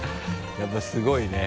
やっぱすごいね。